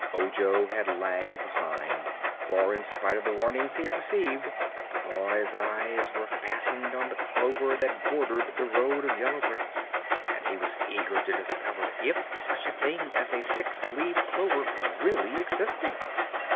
Ojo had lagged behind, for in spite of the warnings he had received the boy's eyes were fastened on the clover that bordered the road of yellow bricks and he was eager to discover if such a thing as a six leaved clover really existed.